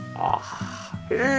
へえ！